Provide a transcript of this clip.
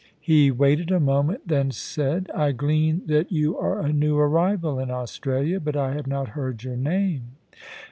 He waited a moment, then said :* I glean that you are a new arrival in Australia, but I have not heard your name.